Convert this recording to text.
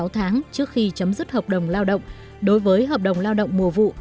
sáu tháng trước khi chấm dứt hợp đồng lao động đối với hợp đồng lao động mùa vụ